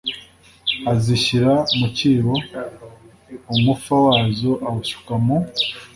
azishyira mu cyibo umufa wazo awusuka mu